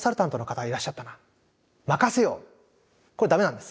これダメなんです。